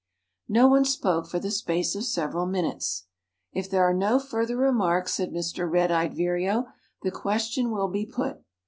No one spoke for the space of several minutes. "If there are no further remarks," said Mr. Red eyed Vireo, "the question will be put.